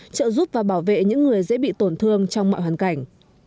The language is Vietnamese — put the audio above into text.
trợ giúp và bảo vệ những người dễ bị tổn thương trong mọi hoàn cảnh